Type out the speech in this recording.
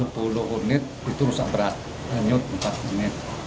dua puluh unit itu rusak berat hanyut empat unit